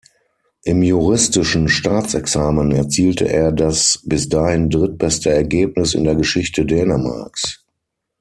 Im juristischen Staatsexamen erzielte er das bis dahin drittbeste Ergebnis in der Geschichte Dänemarks.